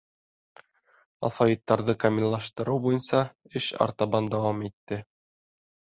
Алфавиттарҙы камиллаштырыу буйынса эш артабан дауам итте.